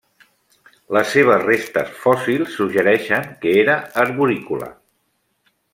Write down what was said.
Les seves restes fòssils suggereixen que era arborícola.